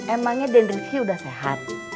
emangnya dendriski udah sehat